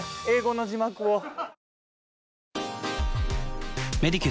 英語の字幕を。